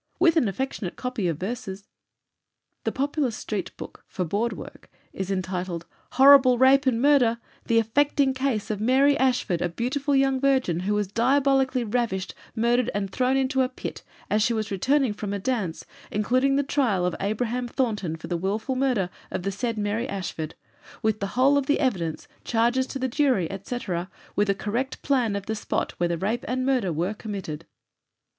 With an affectionate copy of verses." A popular street book for "board work" is entitled "Horrible Rape and Murder!!! The affecting case of Mary Ashford, a beautiful young virgin, who was diabolically Ravished, Murdered, and thrown into a Pit, as she was returning from a Dance, including the Trial of Abraham Thornton for the Wilful Murder of the said Mary Ashford; with the whole of the Evidence, Charges to the Jury, &c., with a Correct Plan of the Spot where the Rape and Murder were Committed."